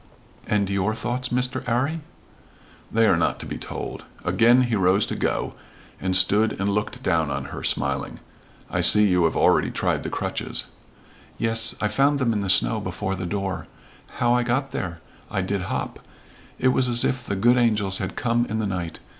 "And your thoughts, Mr. 'Arry?" "They are not to be told." Again he rose to go, and stood and looked down on her, smiling. "I see you have already tried the crutches." "Yes. I found them in the snow, before the door. How I got there? I did hop. It was as if the good angels had come in the night.